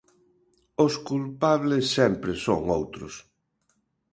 Os culpables sempre son outros.